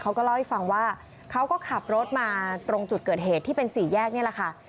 เขาก็เล่าให้ฟังว่าเขาก็ขับรถมาตรงจุดเกิดเหตุที่เป็นสี่แยกนี่แหละค่ะ